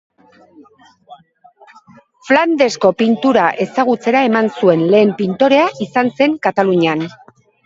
Flandesko pintura ezagutzera eman zuen lehen pintorea izan zen Katalunian.